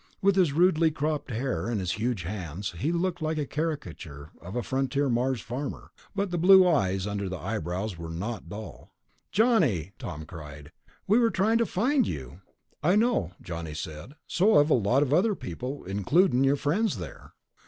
With his rudely cropped hair and his huge hands, he looked like a caricature of a frontier Mars farmer, but the blue eyes under the eyebrows were not dull. "Johnny!" Tom cried. "We were trying to find you." "I know," Johnny said. "So have a lot of other people, includin' your friends there."